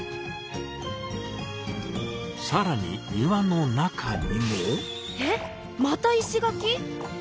さらに庭の中にも。え！また石垣⁉